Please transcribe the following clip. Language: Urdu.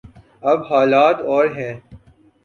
اب حالات اور ہیں۔